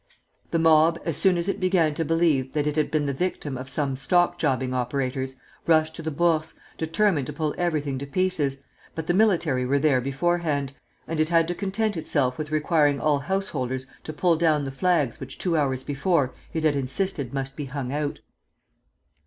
The mob as soon as it began to believe that it had been the victim of some stockjobbing operators, rushed to the Bourse, determined to pull everything to pieces; but the military were there beforehand, and it had to content itself with requiring all householders to pull down the flags which two hours before it had insisted must be hung out.